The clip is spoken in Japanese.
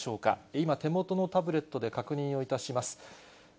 今、手元のタブレットで確認をいたします。